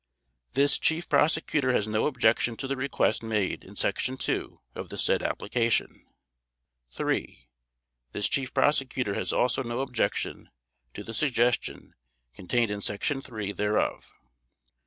This Chief Prosecutor has no objection to the request made in Section II of the said application. III. This Chief Prosecutor has also no objection to the suggestion, contained in Section III thereof.